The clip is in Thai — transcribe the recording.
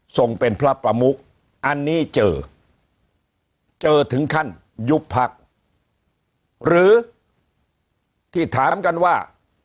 ส่งเป็นพระประมุกอันนี้เจอเจอถึงขั้นยุบพักหรือที่ถามกันว่า